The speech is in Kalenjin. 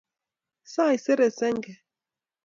Saisere senge